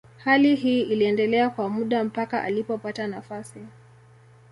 Hali hii iliendelea kwa muda mpaka alipopata nafasi.